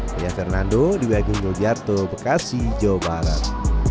saya fernando di wg yogyakarta bekasi jawa barat